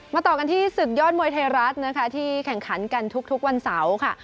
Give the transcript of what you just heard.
มาต่อกันที่สุดยอดมวยเทรัสที่แข่งขันกันทุกวันเสาร์ค่ะ